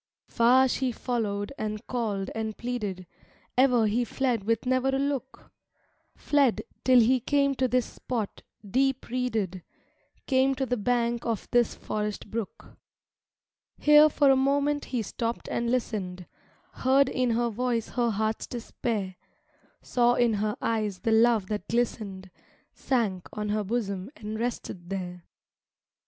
IV Far she followed and called and pleaded, Ever he fled with never a look; Fled, till he came to this spot, deep reeded, Came to the bank of this forest brook. Here for a moment he stopped and listened, Heard in her voice her heart's despair, Saw in her eyes the love that glistened, Sank on her bosom and rested there.